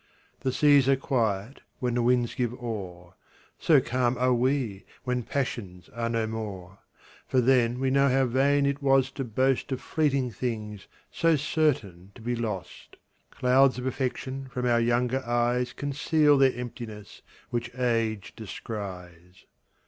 The seas are quiet, when the winds give o'er; So calm are we, when passions are no more: For then we know how vain it was to boast Of fleeting things, so certain to be lost. Clouds of affection from our younger eyes Conceal their emptiness, which age descries.